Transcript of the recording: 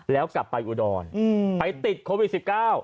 แล้วกลับไปอุดรไปติดโควิด๑๙